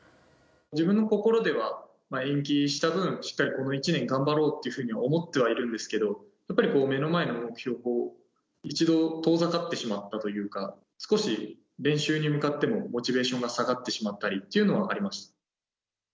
自分の心では、延期した分、しっかりこの１年頑張ろうというふうに思ってはいるんですけれども、やっぱり目の前の目標が一度遠ざかってしまったというか、少し練習に向かってのモチベーションが下がってしまったりというのはありました。